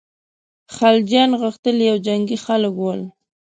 خلجیان غښتلي او جنګي خلک ول.